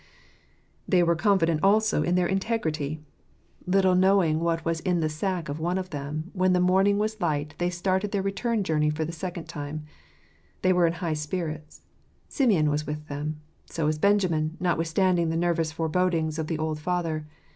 They were confident also in their integrity. Little I I I 44 Mbat shall foe sag ?'* i°r i knowing what was in the sack of one of them, when the morning was light they started on their return journey for the second time. They were in high spirits. Simeon was with them ; so was Benjamin, notwithstanding the nervous forebodings of the old father.